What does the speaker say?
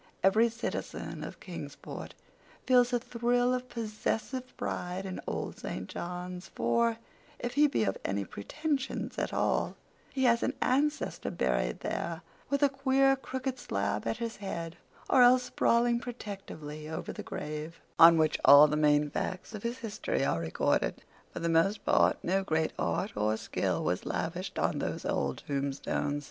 Every citizen of Kingsport feels a thrill of possessive pride in Old St. John's, for, if he be of any pretensions at all, he has an ancestor buried there, with a queer, crooked slab at his head, or else sprawling protectively over the grave, on which all the main facts of his history are recorded. For the most part no great art or skill was lavished on those old tombstones.